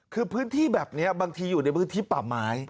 คือพื้นที่แบบนี้บางทีอยู่ในพื้นที่ป่าไม้